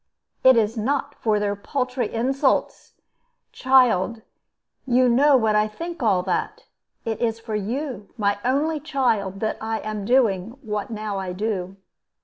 "It is not for their paltry insults. Child, you know what I think all that. It is for you, my only child, that I am doing what now I do."